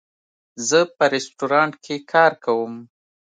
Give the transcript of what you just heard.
زه په رستورانټ کې کار کوم